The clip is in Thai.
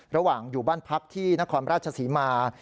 ระหว่างอยู่บ้านพักที่นครราชศรีมา